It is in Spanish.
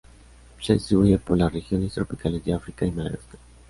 Se distribuye por las regiones tropicales de África y Madagascar.